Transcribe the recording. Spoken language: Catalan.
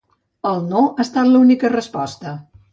El “no” ha estat l’única resposta.